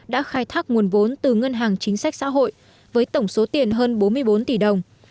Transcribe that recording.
đã khai thác nguồn vốn từ ngân hàng chính sách xã hội với tổng số tiền hơn bốn mươi bốn tỷ đồng